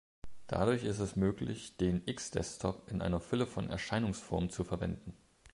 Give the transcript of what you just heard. Dadurch ist es möglich, den X-Desktop in einer Fülle von Erscheinungsformen zu verwenden.